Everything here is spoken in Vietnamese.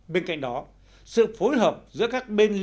bên cạnh đó sự phối hợp giữa các bên dân